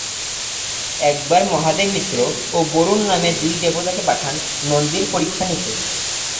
একবার মহাদেব মিত্র ও বরুণ নামে দুই দেবতাকে পাঠান নন্দীর পরীক্ষা নিতে।